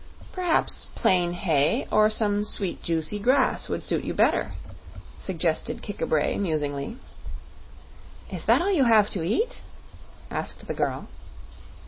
"Perhaps plain hay, or some sweet juicy grass would suit you better," suggested Kik a bray, musingly. "Is that all you have to eat?" asked the girl.